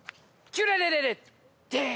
キュレレレレレー。